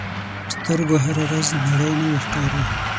په سترګو هره ورځ نړۍ نوې ښکاري